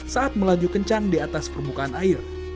saat melaju kencang di atas permukaan air